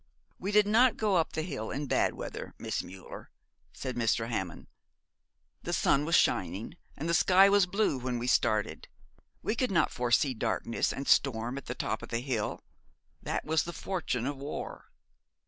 'We did not go up the hill in bad weather, Miss Müller,' said Mr. Hammond. 'The sun was shining and the sky was blue when we started. We could not foresee darkness and storm at the top of the hill. That was the fortune of war.'